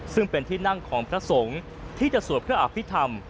ซึ่งเป็นที่นั่งของพระสงฆ์ที่จะสวดเพื่ออภิษฐรรม